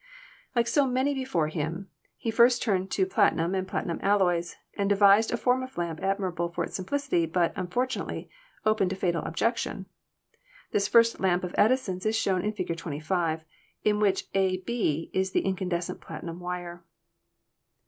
Like so many before him, he first turned to platinum and platinum alloys, and de vised a form of lamp admirable for its simplicity, but, unfortunately, open to a fatal objection. This first lamp of Edison's is shown in Fig. 25, in which a b is the in candescent platinum wire.